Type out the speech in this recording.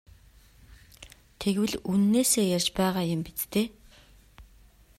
Тэгвэл үнэнээсээ ярьж байгаа юм биз дээ?